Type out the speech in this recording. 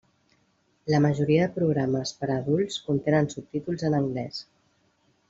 La majoria de programes per a adults contenen subtítols en anglès.